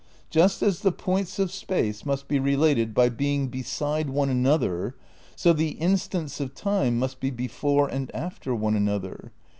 "Just as the points of space must be related by being beside one another, so the instants of time must be before and after one another.